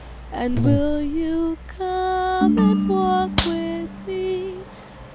And will you come and walk with me?